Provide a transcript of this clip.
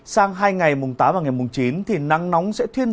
sang hai ngày tám và ngày chín thì nắng nóng sẽ thuyên đổi